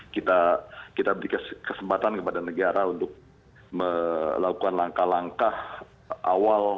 kita beri kesempatan kepada negara untuk melakukan langkah langkah awal